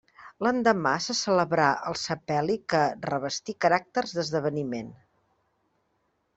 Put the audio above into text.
L'endemà se celebrà el sepeli que revestí caràcters d'esdeveniment.